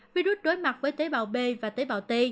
virus đối mặt với tế bào b và tế bào t